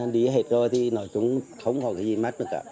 nên anh đi hết rồi thì nói chung không có cái gì mất nữa cả